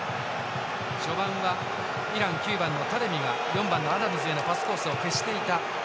序盤はイラン９番のタレミがアダムズへのパスコースを消していた。